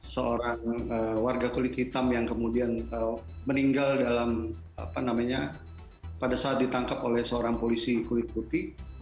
seorang warga kulit hitam yang kemudian meninggal dalam apa namanya pada saat ditangkap oleh seorang polisi kulit putih